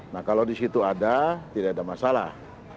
nah kalau di situ ada tidak ada masalah